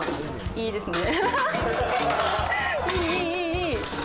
いいですね。